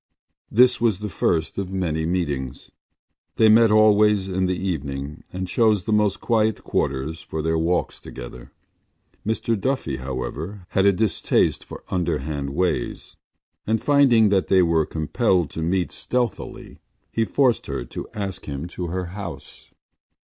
This was the first of many meetings; they met always in the evening and chose the most quiet quarters for their walks together. Mr Duffy, however, had a distaste for underhand ways and, finding that they were compelled to meet stealthily, he forced her to ask him to her house.